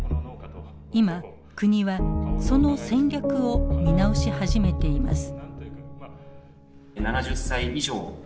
今国はその戦略を見直し始めています。